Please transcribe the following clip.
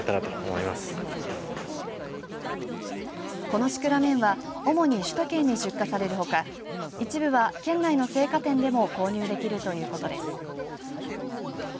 このシクラメンは主に首都圏に出荷されるほか一部は県内の生花店でも購入できるということです。